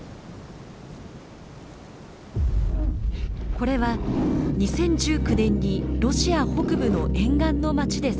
これは２０１９年にロシア北部の沿岸の町で撮影された映像。